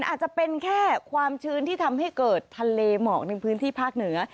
อาจจะเป็นแค่ความชื้นที่ทำให้เกิดทะเลหมอกในพื้นที่ภาคเหนือ